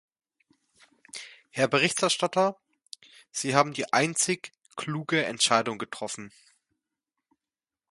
Herr Berichterstatter, Sie haben die einzig kluge Entscheidung getroffen.